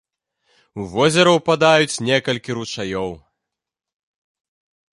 У возера ўпадаюць некалькі ручаёў.